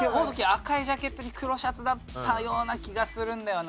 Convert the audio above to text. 赤いジャケットに黒シャツだったような気がするんだよな。